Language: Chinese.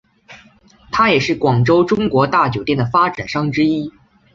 他也是广州中国大酒店的发展商之一。